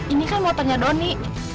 ini kan motonya donny